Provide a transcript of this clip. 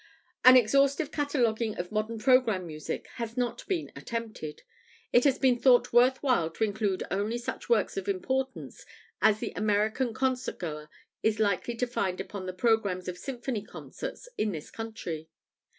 An exhaustive cataloguing of modern programme music has not been attempted. It has been thought worth while to include only such works of importance as the American concert goer is likely to find upon the programmes of symphony concerts in this country.